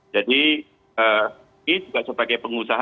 jadi ini juga sebagai pengusaha